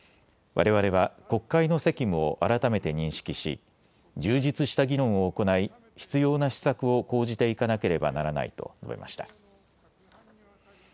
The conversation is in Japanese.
われわれは国会の責務を改めて認識し充実した議論を行い必要な施策を講じていかなければならないと述べました。